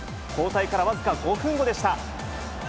交代から僅か５分後でした。